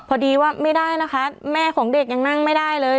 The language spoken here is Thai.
พอดีว่าไม่ได้นะคะแม่ของเด็กยังนั่งไม่ได้เลย